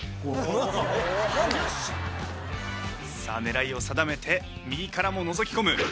さあ狙いを定めて右からものぞきこむ。